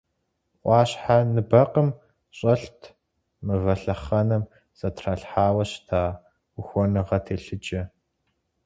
Ӏуащхьэ ныбэкъым щӀэлът мывэ лъэхъэнэм зэтралъхьауэ щыта ухуэныгъэ телъыджэ.